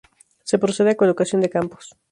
Se procede a colocación de campos.